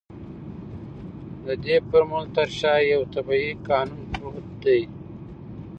د دې فورمول تر شا يو طبيعي قانون پروت دی.